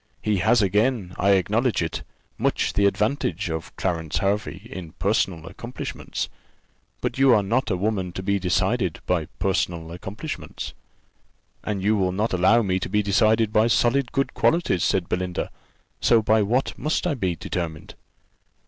He has again, I acknowledge it, much the advantage of Clarence Hervey in personal accomplishments. But you are not a woman to be decided by personal accomplishments." "And you will not allow me to be decided by solid good qualities," said Belinda. "So by what must I be determined?"